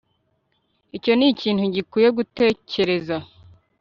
icyo nikintu gikwiye gutekereza